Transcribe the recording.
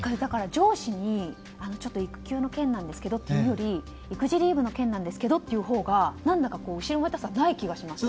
上司に育休の件なんですけどと言うより育児リーブの件なんですけどって言うほうが何だか後ろめたさがない気がします。